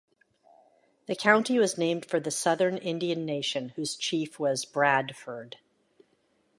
The county was named for the southern Indian Nation whose chief was "Bradford".